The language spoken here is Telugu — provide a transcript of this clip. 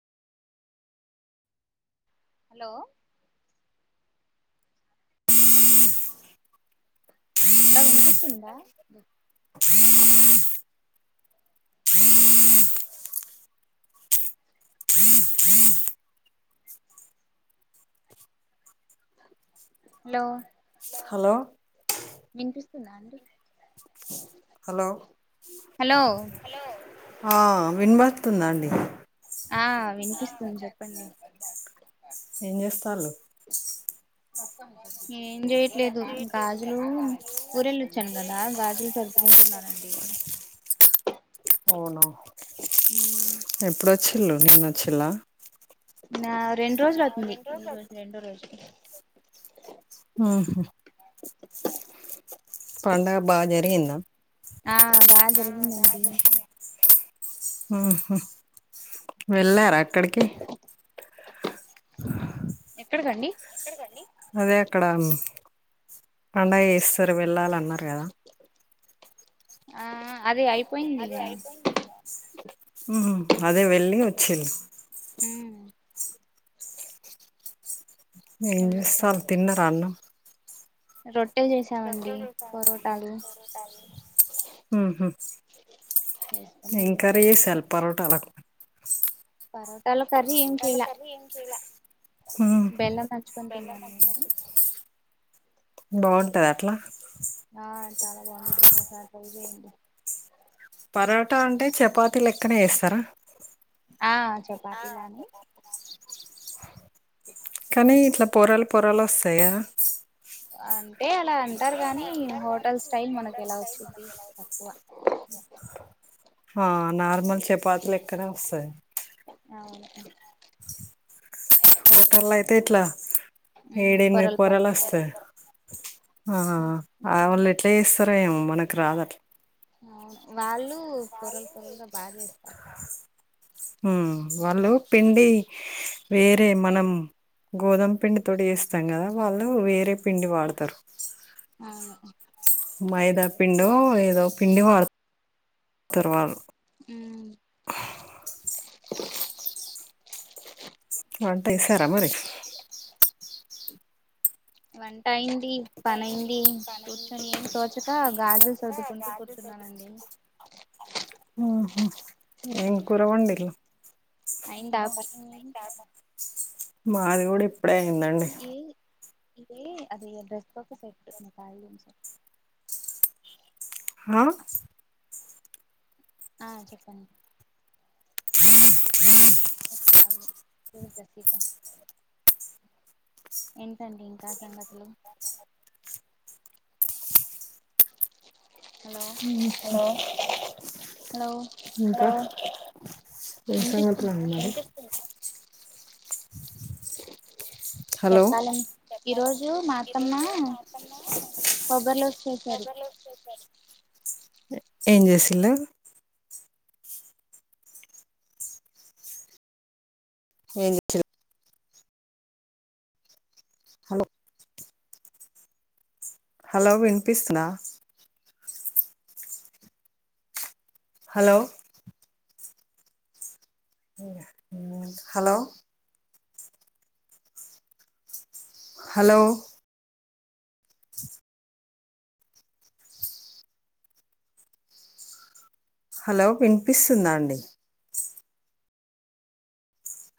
హలో అలా వినిపిస్తుందా. హలో హలో వినిపిస్తుందా అండి. హలో హలో విన్బతుందా అండి. ఆ వినిపిస్తుంది చెప్పండి. ఏ జెస్తాలు ఏం జేయట్లేదు గాజులు ఊరేలోచన గదా గాజులు సర్దుకుంటున్నానండి. అవునా ఎప్పుడు వచ్చిలు నిన్న వచ్చిలా నా రెండు రోజులు అవుతుంది ఈ రోజు రెండో రోజులు ఆహా పండుగ బాగా జరిగిందా ఆ బాగా జరిగిందండి ఉ వెళ్ళార అక్కడికి ఎక్కడకండి ఎక్కడికండి అదే అక్కడ పండగ చేస్తారు వెళ్ళాలన్నారు కదా ఆ అది అయి అదే వెళ్ళి వచ్చింది ఉమ్ ఏం వెళ్ళొచ్చా చేస్తాళ్లు తిన్నరా అన్నం రొట్టే చేసామండి పరోటాలు ఉహు చేసుకొని ఏం తిన్నా కర్రీ చేసారు పరోటాలు పరోటాలకు ఉమ్ బెల్లం నంచుకొని తిన్నాను నేను బాగుంటదా అట్లా ఆ చాలా బాగుండిది ఒకసారి ట్రై చేయండి పరోటా అంటే చపాతీ లెక్కనే చేస్తారా ఆ చపాతీలానే కానీ ఇట్లా పొరలు పొరలు వస్తాయా అంటే అలా అంటారు కాగానీ హోటల్ స్టైల్ మనకు ఎలా వచ్చింది తక్కువ ఆ నార్మల్ చపాతీలు లెక్కనే వస్తాయి అవును హోటల్ లో అయితే ఇట్లా ఏడ మ్మ్ ఎనిమిది పొరలు పొరలుగా వస్తాయి వస్తుంది ఆ ఆ మీకే వాళ్లు ఎట్లాస్త రాస్తాదో ఏమో మనకు రాదు అవును వాళ్ళు పొరలు పొరలుగా బాగా చేస్తారు మ్మ్ వాళ్ళు పిండి వేరే మనం గోధుమ పిండి తోటి చేస్తాం కదా వాళ్ళు వేరే పిండి వాడుతారు ఆ మైదా పిండో ఏదో పిండి వాడుతారు వాళ్ళు ఉమ్ వంట చేసారా మరి వంట అయింది పనైంది కూర్చొని ఏం తోచ క గాజులు సర్దుకుంటూ కూర్చున్నానండి ఆ ఏం కూర వండిళ్ అయిందా పని మీది మాది గూడ ఇప్పుడే అయింది ఏ ఇదే అదే డ్రెస్ కు సెట్ ఆ ఆ చెప్పండి చెప్ప ఏంటండీ ఇంకా సంగతులు హలో ఇంకా హలో ఇంకా ఏం వినిపిస్తుందా సంగతులండి మరి. కిక్స్ చెప్పాలన్ చెప్పాలండి ఈరోజూ మా అత్తమ్మా కొబ్బరిలోస్ చేశారు కొబ్బరి లడ్డు చేశారు. ఏం చేశిన్లు ఏం చే [inaudible] న్లు హలో హలో వినిపిస్తుందా హలో హలో హలో కిస్ హలో వినిపిస్తుందా అండి.